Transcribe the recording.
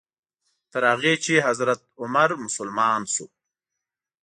تر هغې چې حضرت عمر مسلمان شو.